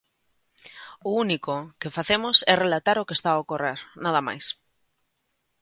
O único que facemos é relatar o que está a ocorrer, nada máis.